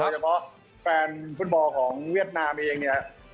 เฉพาะแฟนฟุตบอลของเวียดนามเองเนี่ย